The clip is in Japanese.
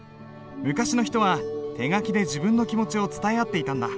昔の人は手書きで自分の気持ちを伝え合っていたんだ。